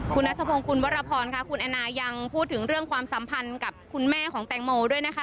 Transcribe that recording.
คุณนัทพงศ์คุณวรพรค่ะคุณแอนนายังพูดถึงเรื่องความสัมพันธ์กับคุณแม่ของแตงโมด้วยนะคะ